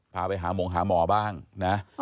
พาไปหาหมงหาหมอบ้างนะ